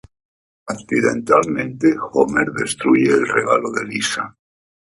Accidentalmente, Homer destruye el regalo de Lisa.